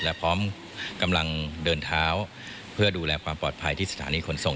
และพร้อมกำลังเดินเท้าเพื่อดูแลความปลอดภัยที่สถานีขนส่ง